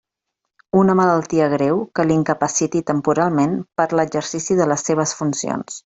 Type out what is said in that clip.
Una malaltia greu que l'incapaciti temporalment per a l'exercici de les seves funcions.